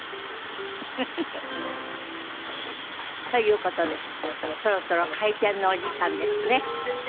ウフフフ。ということでそろそろ開店のお時間ですね。